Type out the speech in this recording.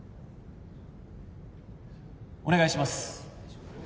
お願いします